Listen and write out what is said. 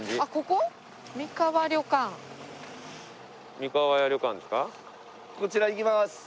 こちら行きます。